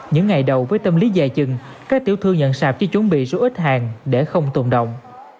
những ngày đầu với tâm lý dài chừng các tiểu thương nhận sạp chỉ chuẩn bị số ít hàng để không tồn động